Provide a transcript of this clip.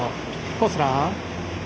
コースラー。